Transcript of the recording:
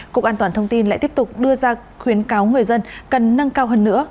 cục an toàn thông tin lại tiếp tục đưa ra khuyến cáo người dân cần nâng cao hơn nữa